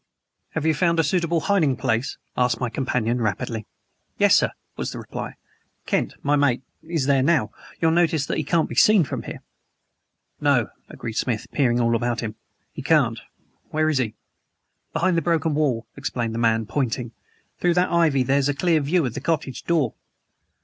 "Have you found a suitable hiding place?" asked my companion rapidly. "Yes, sir," was the reply. "Kent my mate is there now. You'll notice that he can't be seen from here." "No," agreed Smith, peering all about him. "He can't. Where is he?" "Behind the broken wall," explained the man, pointing. "Through that ivy there's a clear view of the cottage door."